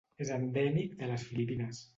És endèmic de les Filipines.